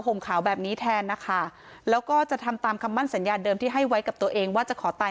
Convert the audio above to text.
ห่มขาวแบบนี้แทนนะคะแล้วก็จะทำตามคำมั่นสัญญาเดิมที่ให้ไว้กับตัวเองว่าจะขอตาย